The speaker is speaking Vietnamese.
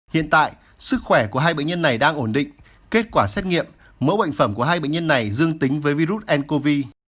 hiện tại sức khỏe của hai bệnh nhân này đang ổn định kết quả xét nghiệm mẫu bệnh phẩm của hai bệnh nhân này dương tính với virus ncov